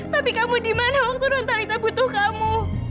tapi kamu di mana waktu nontalita butuh kamu